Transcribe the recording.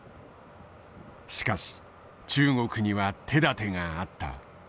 しかし中国には手だてがあった。